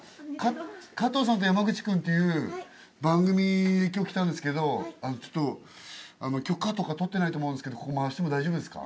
『加藤さんと山口くん』っていう番組で今日来たんですけど許可とか取ってないと思うんですけどここ回しても大丈夫ですか？